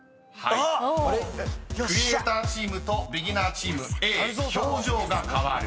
［クリエイターチームとビギナーチームＡ表情が変わる］